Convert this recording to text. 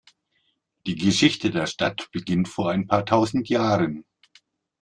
Die Geschichte der Stadt beginnt vor ein paar tausend Jahren.